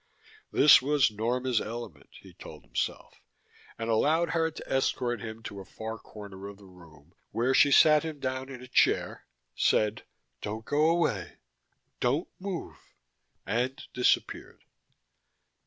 This was Norma's element, he told himself, and allowed her to escort him to a far corner of the room, where she sat him down in a chair, said: "Don't go away, don't move," and disappeared.